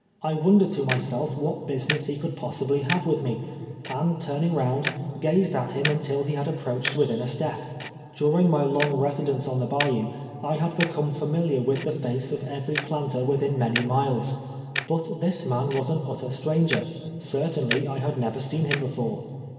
I wondered to myself what business he could pos sibly' have with me, and turning round, gazed at him until he had approached within a step. During my long residence on the bayou, I had become familiar with the face of every planter within many miles ; but this man was an utter stranger — certainly I had never seen him before.